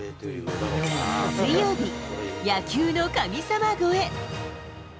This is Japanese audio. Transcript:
水曜日、野球の神様超え。